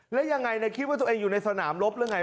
แล้วยังไงคิดว่าตัวเองอยู่ในสนามรบหรือไง